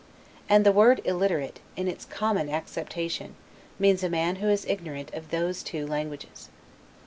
And the word ILLITERATE, in its common acceptation, means a man who is ignorant of those two languages.